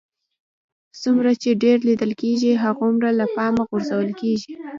څومره چې ډېر لیدل کېږئ هغومره له پامه غورځول کېږئ